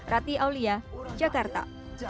rati aulia jakarta